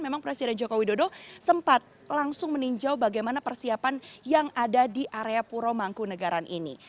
memang presiden joko widodo sempat langsung meninjau bagaimana persiapan yang ada di area puro mangkunagaran ini